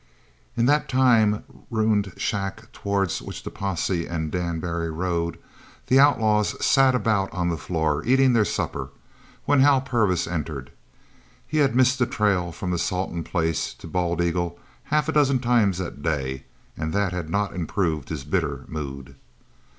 In that time ruined shack towards which the posse and Dan Barry rode, the outlaws sat about on the floor eating their supper when Hal Purvis entered. He had missed the trail from the Salton place to the Bald eagle half a dozen times that day, and that had not improved his bitter mood.